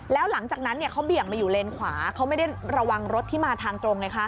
แล้วหลังจากนั้นเนี่ยเค้าเบี่ยงในเลนซ์ขวาเค้าไม่ได้ระวังรถที่มาทางตรงนะคะ